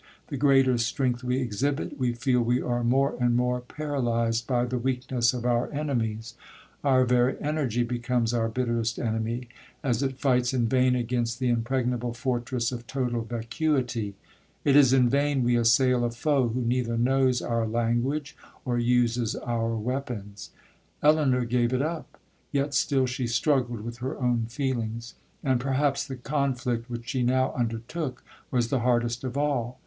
The greater strength we exhibit, we feel we are more and more paralyzed by the weakness of our enemies,—our very energy becomes our bitterest enemy, as it fights in vain against the impregnable fortress of total vacuity! It is in vain we assail a foe who neither knows our language or uses our weapons. Elinor gave it up,—yet still she struggled with her own feelings; and perhaps the conflict which she now undertook was the hardest of all.